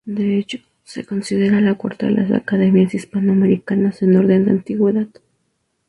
De hecho, es considerada la cuarta de las Academias hispanoamericanas en orden de antigüedad.